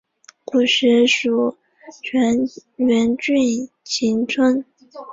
古时属荏原郡衾村。